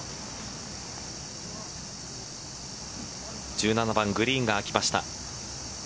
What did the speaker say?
１７番、グリーンが空きました。